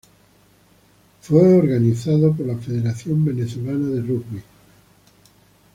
Fue organizado por la Federación Venezolana de Rugby.